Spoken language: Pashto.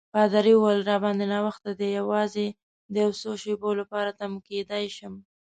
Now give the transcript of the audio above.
پادري وویل: راباندي ناوخته دی، یوازې د یو څو شېبو لپاره تم کېدای شم.